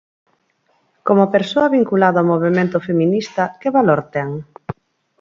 Como persoa vinculada ao movemento feminista que valor ten?